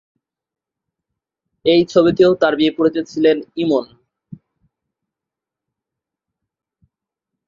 এই ছবিতেও তার বিপরীতে ছিলেন ইমন।